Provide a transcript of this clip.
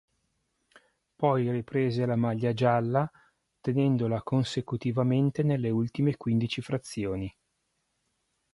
Poi riprese la maglia gialla tenendola consecutivamente nelle ultime quindici frazioni.